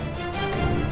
jangan pak landung